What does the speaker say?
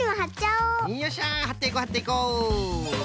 よっしゃはっていこうはっていこう。